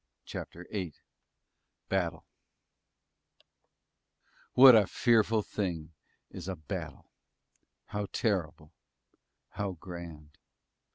CHAPTER VIII BATTLE What a fearful thing is a battle! How terrible how grand!